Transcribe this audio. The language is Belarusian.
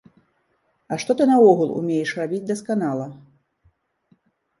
А што ты наогул умееш рабіць дасканала?